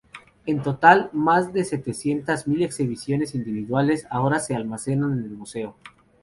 En total, más de setecientas mil exhibiciones individuales ahora se almacenan en el museo.